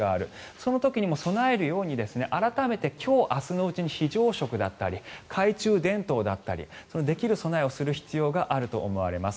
その時にも備えるように改めて今日、明日のうちに非常食だったり懐中電灯だったりできる備えをする必要があると思われます。